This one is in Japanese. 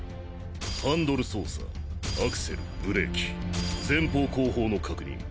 ハンドル操作アクセル・ブレーキ前方・後方の確認。